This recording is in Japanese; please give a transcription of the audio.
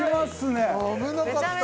危なかった。